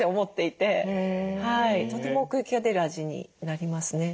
とても奥行きが出る味になりますね。